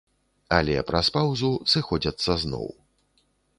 Але праз паўзу, сыходзяцца зноў.